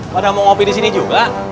kandang mau kopi disini juga